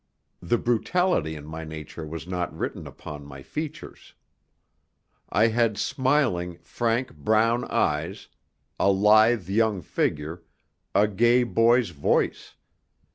The brutality in my nature was not written upon my features. I had smiling, frank brown eyes, a lithe young figure, a gay boy's voice.